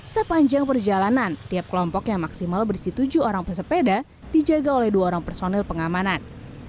sepanjang perjalanan tiap kelompok yang maksimal berisi tujuh orang pesepeda dijaga oleh dua orang personil pengamanan